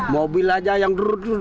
mobil aja yang durut